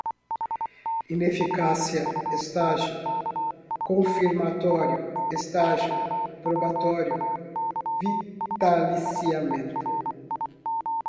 ineficácia, estágio confirmatório, estágio probatório, vitaliciamento